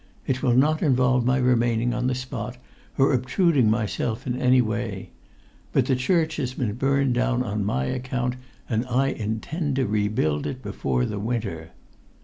It will not involve my remaining on the spot, or obtruding myself in any way. But the church has been burnt down on my account, and I intend to rebuild it before the winter."